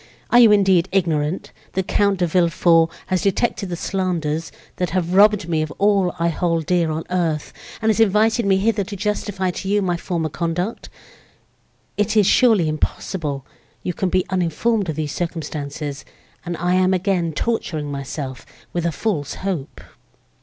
Are you, indeed, ignorant, that Count de Villefort has detected the slanders, that have robbed me of all I hold dear on earth, and has invited me hither to justify to you my former conduct? It is surely impossible you can be uninformed of these circumstances, and I am again torturing myself with a false hope!"